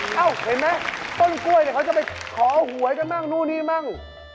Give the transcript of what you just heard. เห็นไหมต้นกล้วยเขาจะไปขอหวยกันบ้างนู่นนี่บ้าง